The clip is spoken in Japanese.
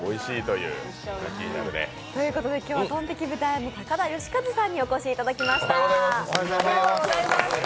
今日はとんテキ豚屋の高田義一さんにお越しいただきました。